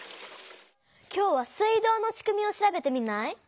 今日は水道のしくみを調べてみない？